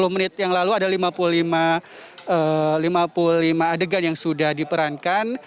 sepuluh menit yang lalu ada lima puluh lima adegan yang sudah diperankan